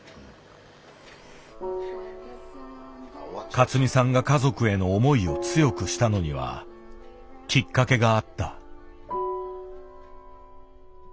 勝美さんが家族への思いを強くしたのにはきっかけがあった。